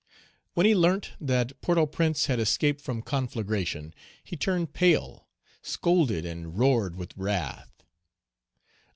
When he learnt that Port au Prince had escaped from conflagration, he turned pale, scolded, and roared with wrath.